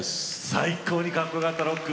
最高にかっこよかったロック。